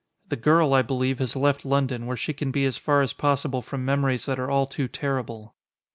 The girl, I believe, has left London, where she can be as far as possible from memories that are all too terrible.